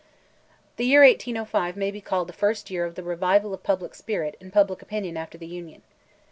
The year 1805 may be called the first year of the revival of public spirit and public opinion after the Union.